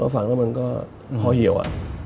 ฟังว่ามันก็พอเหี่ยว